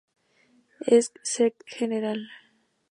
Esc. Sec.Gral.